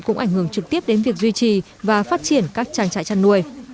cũng ảnh hưởng trực tiếp đến việc duy trì và phát triển các trang trại chăn nuôi